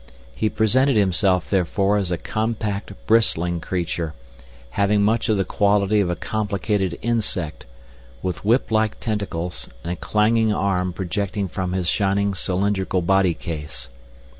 He presented himself, therefore, as a compact, bristling creature, having much of the quality of a complicated insect, with whip like tentacles and a clanging arm projecting from his shining cylindrical body case.